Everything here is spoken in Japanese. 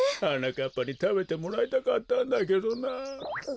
はなかっぱにたべてもらいたかったんだけどな。